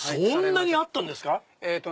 そんなにあったんですか